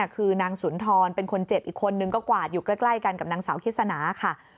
คือนางสุนทรเป็นคนเจ็บอีกคนนึงก็กวาดอยู่ใกล้กันกับนางสาวคิสนาค่ะ